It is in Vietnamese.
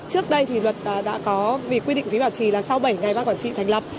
trước đây thì luật đã có vì quy định phí bảo trì là sau bảy ngày ban quản trị thành lập